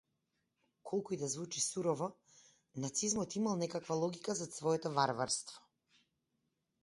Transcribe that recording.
Колку и да е звучи сурово, нацизмот имал некаква логика зад своето варварство.